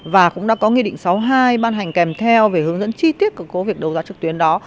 và cũng đã có nghị định sáu mươi hai ban hành kèm theo về hướng dẫn chi tiết của việc đấu giá trực tuyến đó